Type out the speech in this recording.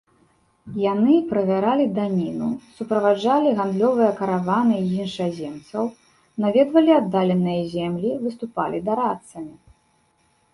Яны правяралі даніну, суправаджалі гандлёвыя караваны і іншаземцаў, наведвалі аддаленыя землі, выступалі дарадцамі.